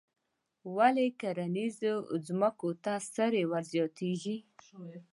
ولې کرنیزو ځمکو ته سرې ور زیاتیږي؟